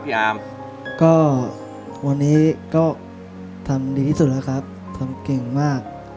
อามก็วันนี้ก็ทำดีที่สุดแล้วครับทำเก่งมาก